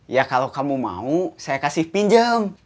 ya kalau kamu mau saya kasih pinjam